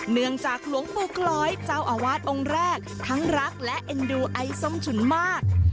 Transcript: หลวงจากหลวงปู่คล้อยเจ้าอาวาสองค์แรกทั้งรักและเอ็นดูไอ้ส้มฉุนมาก